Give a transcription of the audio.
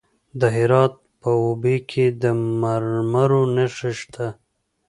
د هرات په اوبې کې د مرمرو نښې شته.